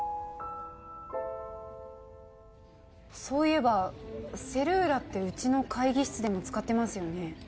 そういえばセルーラってうちの会議室でも使ってますよね